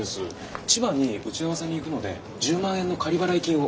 千葉に打ち合わせに行くので１０万円の仮払い金をお願いしたくて。